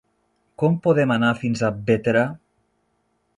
Com podem anar fins a Bétera?